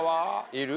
いる？